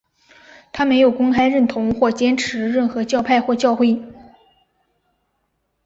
他没有公开认同或坚持任何教派或教会。